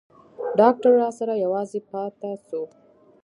ډاکتر راسره يوازې پاته سو.